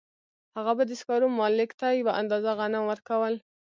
هغه به د سکارو مالک ته یوه اندازه غنم ورکول